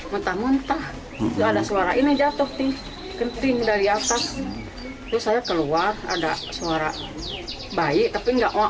mentah mentah ada suara ini jatuh di ketinggian saya keluar ada suara bayi tapi nggak enggak